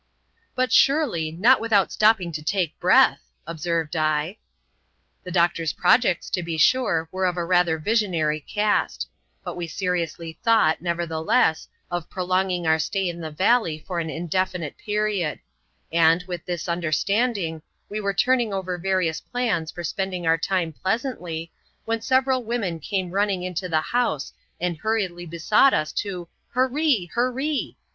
" "But, surely, not without stopping to take breath," ob served L The doctor's projects, to be sure, were of a rather visionary cast; but we seriously thought, nevertheless, of prolonging our stay in the valley for an indefinite period ; and, with this understanding, we were turning over various plans for spend ing our time pleasantly, when several women came nmning into the house, and hurriedly besought us to heree! heree!